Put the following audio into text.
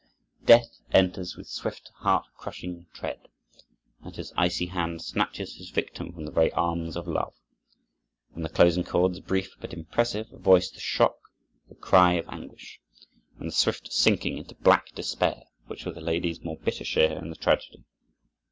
Death enters with swift, heart crushing tread, and his icy hand snatches his victim from the very arms of love; and the closing chords, brief, but impressive, voice the shock, the cry of anguish, and the swift sinking into black despair, which were the lady's more bitter share in the tragedy.